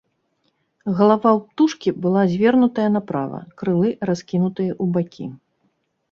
Галава птушкі была звернутая направа, крылы раскінутыя ў бакі.